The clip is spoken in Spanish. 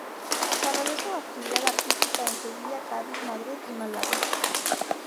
Desarrolló su actividad artística en Sevilla, Cádiz, Madrid y Málaga.